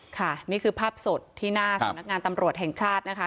ค่ะนี่คือภาพสดที่หน้าสำนักงานตำรวจแห่งชาตินะคะ